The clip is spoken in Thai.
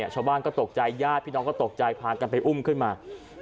ชาวบ้านก็ตกใจญาติพี่น้องก็ตกใจพากันไปอุ้มขึ้นมา